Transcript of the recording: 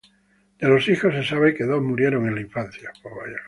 De los hijos, se sabe que dos murieron en la infancia.